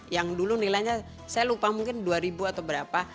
yang dulu nilainya saya lupa mungkin dua ribu atau berapa